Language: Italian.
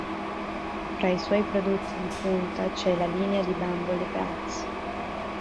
Fra i suoi prodotti di punta c'è la linea di bambole "Bratz".